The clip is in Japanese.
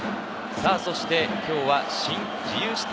そして今日はシン・自由視点